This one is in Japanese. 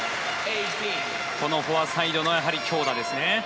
フォアサイドの強打ですね。